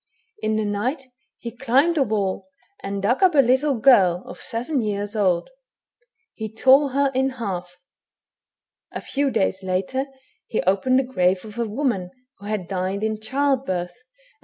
In the night he climbed the wall, and dug up a little girl of seven years old. He tore her in half. A few days later, he opened the grave of a woman who had died in childbirth, and THE HUMAN HYiENA.